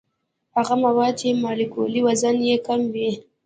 هغه مواد چې مالیکولي وزن یې کم وي.